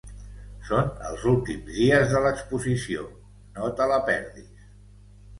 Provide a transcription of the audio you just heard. Són els últims dies de l'exposició, no te la perdis!